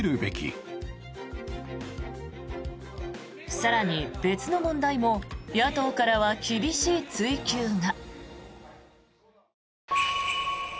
更に、別の問題も野党からは厳しい追及が。